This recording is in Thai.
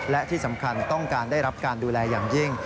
และที่สำคัญต้องการได้รับการดูแลอย่างยิ่ง